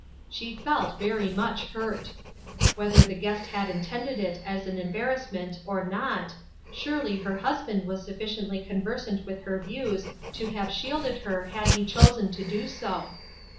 She felt very much hurt ; whether the guest had intended it as an embarrassment or not, surely her husband was sufficiently conversant with her views to have shielded her had he chosen to do so.